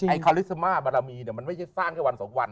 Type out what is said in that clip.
ไอ้คาริสมาบรรมีมันไม่ใช่สร้างในวันสองวัน